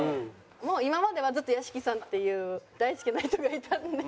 もう今まではずっと屋敷さんっていう大好きな人がいたんで。